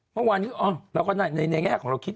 เมื่อวานนี้เราก็ในแง่ของเราคิด